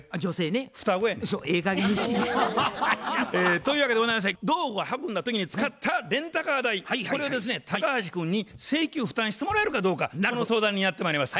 というわけでございまして道具を運んだ時に使ったレンタカー代これをですね高橋君に請求負担してもらえるかどうかその相談にやってまいりました。